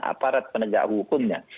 aparat penegak hukumnya